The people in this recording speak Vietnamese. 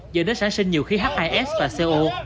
dựa đến sản sinh nhiều khí h hai s và co